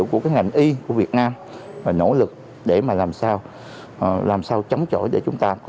của cái ngành y của việt nam nỗ lực để mà làm sao làm sao chống chổi để chúng ta có